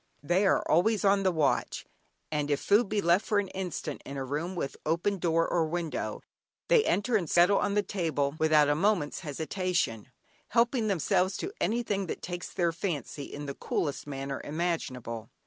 They are always on the watch, and if food be left for an instant in a room with open door or window, they enter, and settle on the table without a moment's hesitation, helping themselves to anything that takes their fancy, in the coolest manner imaginable.